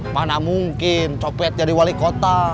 mana mungkin copet jadi wali kota